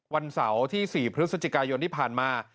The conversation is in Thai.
วันเสาร์ที่๔พฤศจิกายนที่ผ่านมา